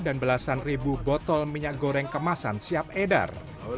dan belasan ribu botol minyak goreng kemasan siap edar